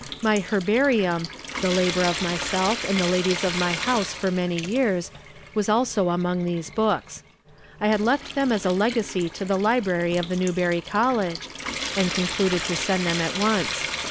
My herbarium, the labor of myself and the ladies of my house for many years, was also among these books. I had left them as a legacy to the library of the Newbury College, and concluded to send them at once.